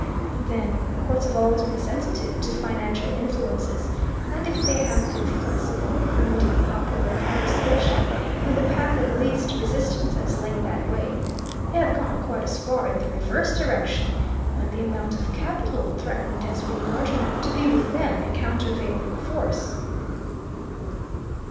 But then, courts have always been sensitive to financial influences, and if they have been flexible in permitting popular confiscation when the path of least resistance has lain that way, they have gone quite as far in the reverse direction when the amount of capital threatened has been large enough to be with them a countervailing force.